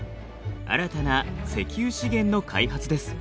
新たな石油資源の開発です。